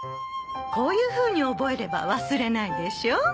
こういうふうに覚えれば忘れないでしょう？